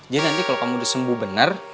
jadi nanti kalo kamu disembuh bener